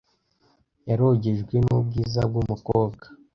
Yarogejwe n'ubwiza bw'umukobwa.